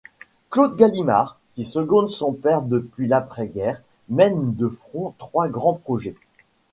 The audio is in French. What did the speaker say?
Claude Gallimard, qui seconde son père depuis l’après-guerre, mène de front trois grands projets.